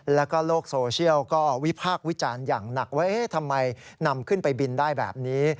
แล้วก็โลกโซเชียลก็วิพากษ์วิจารณ์อย่างหนักว่าเอ๊ะทำไมนำขึ้นไปบินได้แบบนี้